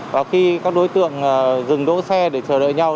và khi các đối tượng dừng đỗ xe để chờ đợi nhau